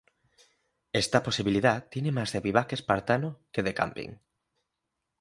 Esta posibilidad tiene más de vivac espartano que de camping.